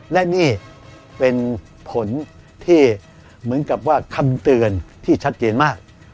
และนี่เป็นผลที่เหมือนกับว่าคำเตือนที่ชัดเจนมาก